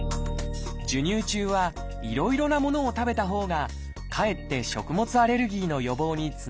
授乳中はいろいろなものを食べたほうがかえって食物アレルギーの予防につながるというのです。